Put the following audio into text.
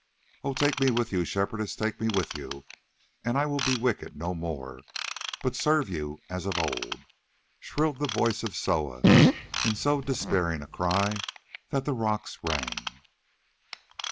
"Oh! take me with you, Shepherdess, take me with you, and I will be wicked no more, but serve you as of old," shrilled the voice of Soa in so despairing a cry that the rocks rang.